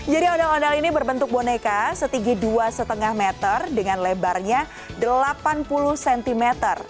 jadi ondel ondel ini berbentuk boneka setinggi dua lima meter dengan lebarnya delapan puluh cm